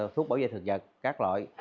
thuốc bảo vệ thực vật các loại